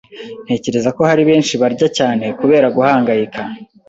Ntekereza ko hari benshi barya cyane kubera guhangayika